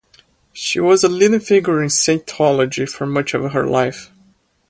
She was a leading figure in Scientology for much of her life.